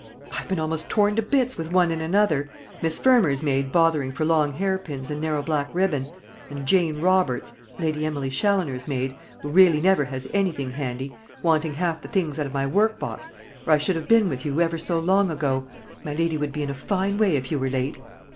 I've been almost torn to bits with one and another Miss Fermor's maid bothering for long hair pins and narrow black ribbon; and Jane Roberts Lady Emily Challoner's maid who really never has anything handy, wanting half the things out of my work box or I should have been with you ever so long ago. My Lady would be in a fine way if you were late."